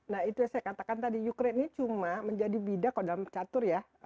nah itu yang saya katakan tadi ukraine ini cuma menjadi bidak kalau dalam catur ya